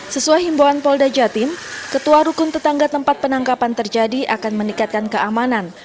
sesuai himboan polda jatim ketua rukun tetangga tempat penangkapan terjadi akan meningkatkan keamanan